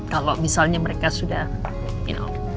kalau misalnya mereka sudah you know